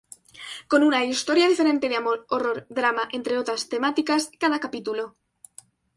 Con una historia diferente de amor, horror, drama, entre otras temáticas, cada capítulo.